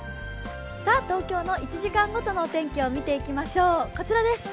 東京の１時間ごとの天気を見ていきましょう。